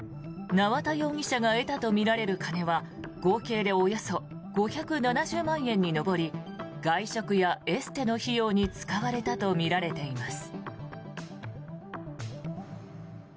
縄田容疑者が得たとみられる金は合計でおよそ５７０万円に上り外食やエステの費用に使われたとみられています。